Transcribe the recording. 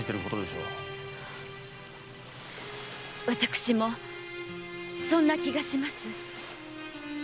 私もそんな気がします。